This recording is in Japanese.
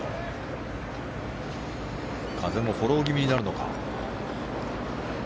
風もフォロー気味になるのか。